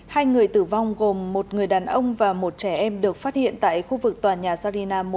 hai người tử vong gồm một người đàn ông và một trẻ em được phát hiện tại khu vực tòa nhà sarina một